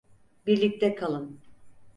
Birlikte kalın.